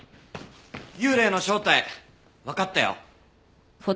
幽霊の正体わかったよ。